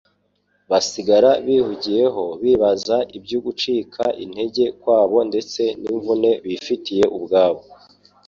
basigara bihugiyeho bibaza iby'ugucika intege kwabo ndetse n'imvune bifitiye ubwabo.